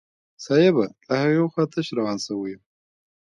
صايبه له هغې خوا تش روان سوى يم.